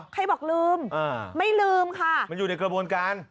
ใครบอกลืมไม่ลืมค่ะมันอยู่ในกระบวนการ